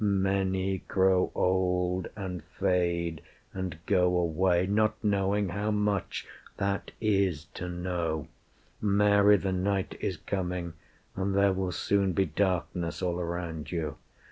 Many grow old, And fade, and go away, not knowing how much That is to know. Mary, the night is coming, And there will soon be darkness all around you.